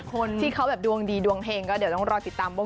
คนที่เขาแบบดวงดีดวงเฮงก็เดี๋ยวต้องรอติดตามว่า